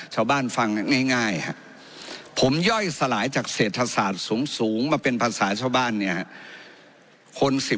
ฟังง่ายผมย่อยสลายจากเศรษฐศาสตร์สูงมาเป็นภาษาชาวบ้านเนี่ย